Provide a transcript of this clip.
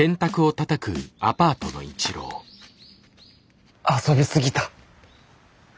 心の声遊びすぎた。